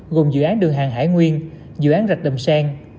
gồm dự án đường hàng hải nguyên dự án rạch đầm sen